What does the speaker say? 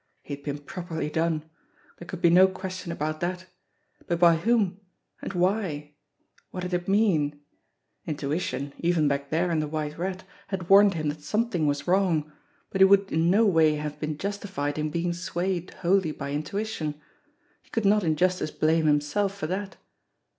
He had been properly done! There could be no question about that. But by whom ? And why ? What did it mean ? Intuition, even back there in The White Rat, had warned him that something was wrong, but he would in no way have been justified in being swayed wholly by intuition. He could not in justice blame himself for that.